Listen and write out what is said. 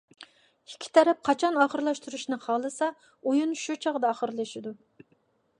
ئىككى تەرەپ قاچان ئاخىرلاشتۇرۇشنى خالىسا، ئويۇن شۇ چاغدا ئاخىرلىشىدۇ.